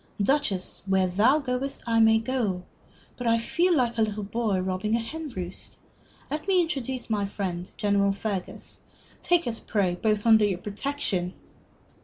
"Duchess, where thou goest, I may go. But I feel like a boy robbing a hen roost. Let me introduce my friend, General Fergus. Take us both, pray, under your protection!"